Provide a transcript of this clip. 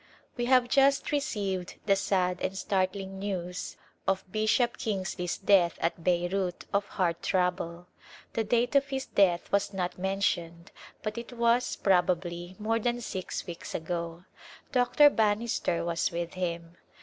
We have just received the sad and startling news of Bishop Kingsley's death at Beirut of heart trouble. The date of his death was not mentioned but it was, probably, more than six weeks ago. Dr. Bannister was with him.